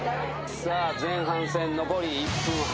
前半戦残り１分半。